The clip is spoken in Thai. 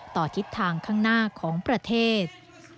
ทิศทางข้างหน้าของประเทศ